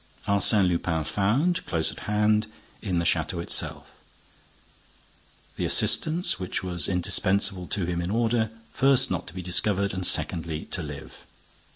Arsène Lupin found, close at hand, in the château itself, the assistance which was indispensable to him in order, first, not to be discovered and, secondly, to live.